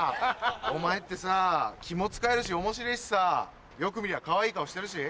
お前ってさ気も使えるしおもしれぇしさよく見りゃかわいい顔してるし。